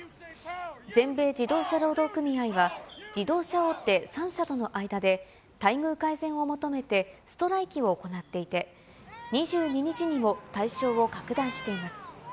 全米自動車労働組合は、自動車大手３社との間で、待遇改善を求めて、ストライキを行っていて、２２日にも対象を拡大しています。